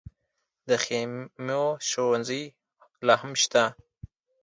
د خیمو ښوونځي لا هم شته؟